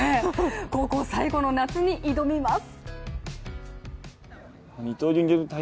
高校最後の夏に挑みます。